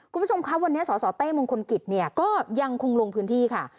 คุณผู้ชมครับวันนี้สสเต้มงคลกิจเนี่ยก็ยังคงลงพื้นที่ค่ะ